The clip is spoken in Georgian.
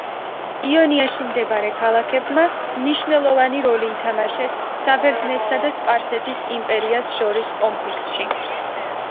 იონიაში მდებარე ქალაქებმა მნიშვნელოვანი როლი ითამაშეს საბერძნეთსა და სპარსეთის იმპერიას შორის კონფლიქტში.